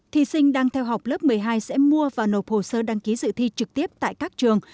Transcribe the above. thí sinh đang theo học lớp một mươi hai sẽ mua và nộp hồ sơ đăng ký dự thi trực tiếp tại các trường